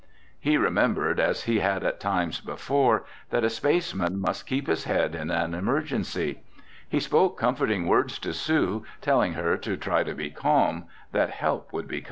He remembered, as he had at times before, that a spaceman must keep his head in an emergency. He spoke comforting words to Sue, telling her to try to be calm, that help would be coming.